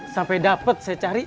sampai dapet saya cari